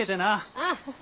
ああ。